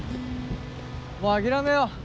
もう諦めよう。